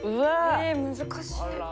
え難しい。